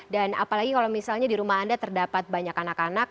dan apalagi kalau misalnya di rumah anda terdapat banyak anak anak